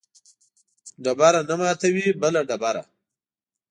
ډبره نه ماتوي بله ډبره